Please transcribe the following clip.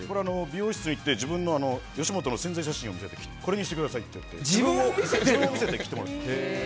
美容室に行って自分の吉本の宣材写真を見せてこれにしてくださいって自分を見せて切ってもらってて。